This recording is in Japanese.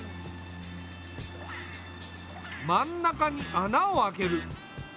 真ん中に穴を開ける。